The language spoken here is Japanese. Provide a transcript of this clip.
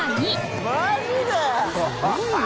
すごいな。